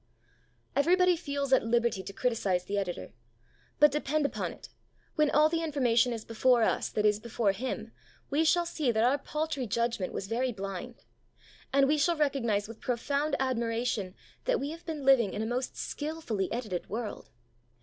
Everybody feels at liberty to criticize the Editor; but, depend upon it, when all the information is before us that is before Him, we shall see that our paltry judgement was very blind. And we shall recognize with profound admiration that we have been living in a most skilfully edited world.